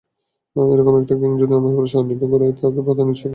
এরকম একটা গ্যাং যদি পুরো শহর নিয়ন্ত্রণ করে থাকে এর প্রধান নিশ্চয়ই কেউ আছে।